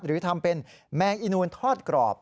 หรือทำเป็นแมงอีนูนทอดกรอบ